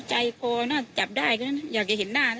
ใจคอน่ะจับด้ายก็อยากจะเห็นหน้าน่ะ